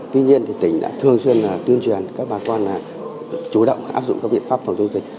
tuy nhiên thì tỉnh đã thường xuyên tuyên truyền các bà con là chủ động áp dụng các biện pháp phòng chống dịch